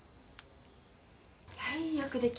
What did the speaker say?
はいよくできました。